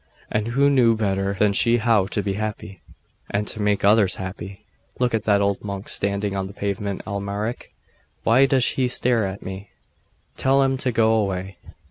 And who knew better than she how to be happy, and to make others happy?.... 'Look at that old monk standing on the pavement, Amalric! Why does he stare so at me? Tell him to go away.